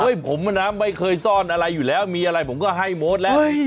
ผมไม่เคยซ่อนอะไรอยู่แล้วมีอะไรผมก็ให้โมดแล้ว